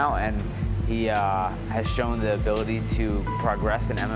dan dia sudah menunjukkan kemampuan untuk berkembang di mma